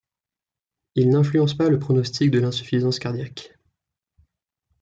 Il n'influence pas le pronostic de l'insuffisance cardiaque.